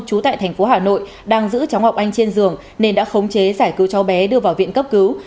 trú tại thành phố hà nội đang giữ cháu ngọc anh trên giường nên đã khống chế giải cứu cháu bé đưa vào viện cấp cứu